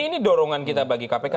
ini dorongan kita bagi kpk